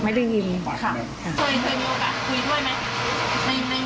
เคยมีโอกาสคุยด้วยไหมในวงเพื่อนบ้าน